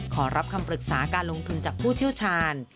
ขอรับคำปรึกษาการลงทุนจากผู้เชี่ยวชาญ